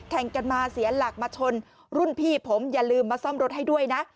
แข่งกันมาเสียหลักมาชนรุ่นพี่ผมอย่าลืมมาซ่อมรถให้ด้วยนะ